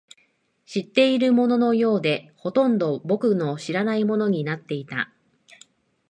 知っているもののようで、ほとんどが僕の知らないものになっていた